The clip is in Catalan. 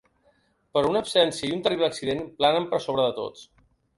Però una absència i un terrible accident planen per sobre de tots.